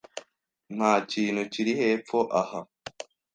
Nta kintu kiri hepfo aha